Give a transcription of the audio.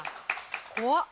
怖っ！